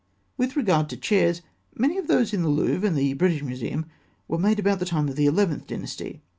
With regard to chairs, many of those in the Louvre and the British Museum were made about the time of the Eleventh Dynasty.